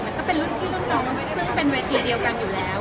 ก็เป็นรุ่นพี่รุ่นน้องไม่ได้ซึ่งเป็นเวทีเดียวกันอยู่แล้ว